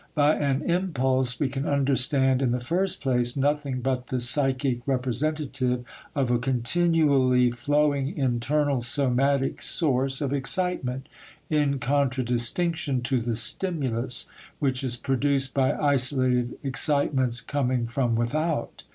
By an "impulse" we can understand in the first place nothing but the psychic representative of a continually flowing internal somatic source of excitement, in contradistinction to the "stimulus" which is produced by isolated excitements coming from without.